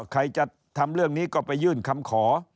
ใครจะทำเรื่องนี้ก็ไปยื่นคำขอ